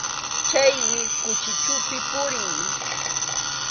Chayman kuhichupi puriy.